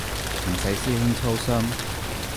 唔使師兄操心